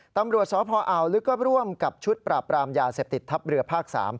ตำรวจสพอาวลึกก็ร่วมกับชุดปราบรามยาเสพติดทัพเรือภาค๓